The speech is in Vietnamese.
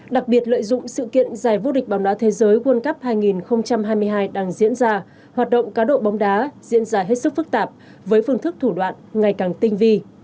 đặc biệt lợi dụng sự kiện giải vô địch bóng đá thế giới world cup hai nghìn hai mươi hai đang diễn ra hoạt động cá độ bóng đá diễn ra hết sức phức tạp với phương thức thủ đoạn ngày càng tinh vi